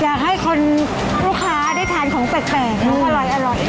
อยากให้คนลูกค้าได้ทานของแปลกของอร่อย